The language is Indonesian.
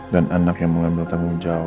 dan anak yang mengambil tanggung jawab